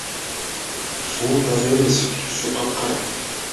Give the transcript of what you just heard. Суу таза эмес, түсү капкара.